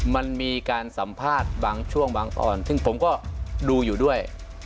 มันมีการสัมภาษณ์บางช่วงบางตอนซึ่งผมก็ดูอยู่ด้วย